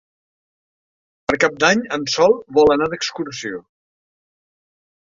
Per Cap d'Any en Sol vol anar d'excursió.